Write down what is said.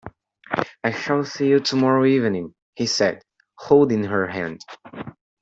"I shall see you tomorrow evening," he said, holding her hand.